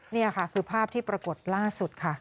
นี่ค่ะคือภาพที่ปรากฏล่าสุดค่ะ